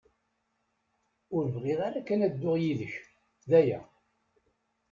Ur bɣiɣ ara kan ad dduɣ yid-k, d aya.